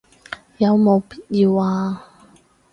有冇必要啊